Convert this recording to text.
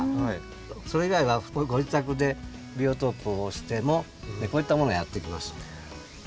それ以外はご自宅でビオトープをしてもこういったものやって来ますんで。